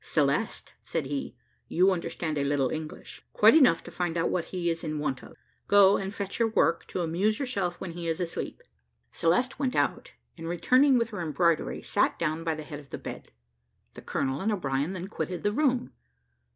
"Celeste," said he, "you understand a little English; quite enough to find out what he is in want of. Go and fetch your work, to amuse yourself when he is asleep." Celeste went out, and returning with her embroidery, sat down by the head of the bed: the colonel and O'Brien then quitted the room.